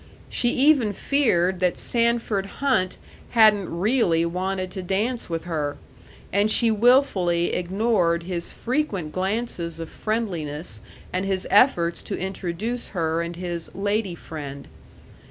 She even feared that Sanford Hunt hadn't really wanted to dance with her, and she wilfully ignored his frequent glances of friendliness and his efforts to introduce her and his "lady friend."